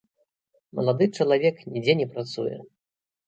Малады чалавек нідзе не працуе.